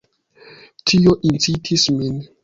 Tio incitis min.